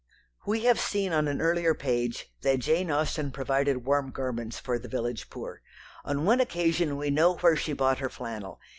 We have seen on an earlier page that Jane Austen provided warm garments for the village poor. On one occasion we know where she bought her flannel.